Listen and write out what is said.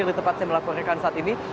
dari tempat saya melakukan saat ini